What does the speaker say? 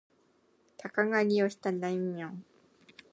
鷹狩をした大名